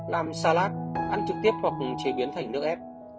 làm salat ăn trực tiếp hoặc chế biến thành nước ép